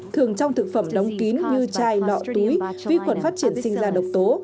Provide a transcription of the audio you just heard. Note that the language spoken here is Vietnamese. thường trong thực phẩm đóng kín như chai lọ túi vi khuẩn phát triển sinh ra độc tố